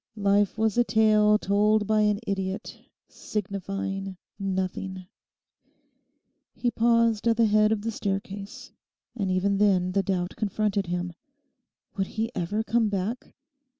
Life was a tale told by an idiot—signifying nothing. He paused at the head of the staircase. And even then the doubt confronted him: Would he ever come back?